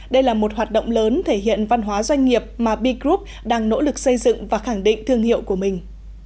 đây là một hoạt động lớn thể hiện văn hóa doanh nghiệp mà b group đang nỗ lực xây dựng và khẳng định thương hiệu của mình